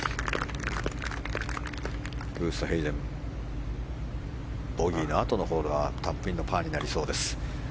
ウーストヘイゼンボギーのあとのホールはタップインのパーになりそうです。